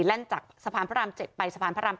แล่นจากสะพานพระราม๗ไปสะพานพระราม๓